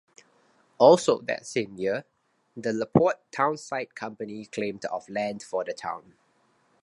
Also that same year, the Laporte Townsite Company claimed of land for the town.